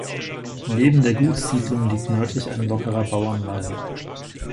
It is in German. Neben der Gutssiedlung liegt nördlich ein lockerer Bauernweiler.